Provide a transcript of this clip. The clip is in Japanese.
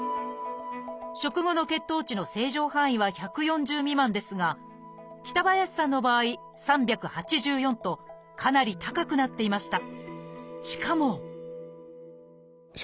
食後の血糖値の正常範囲は１４０未満ですが北林さんの場合３８４とかなり高くなっていました。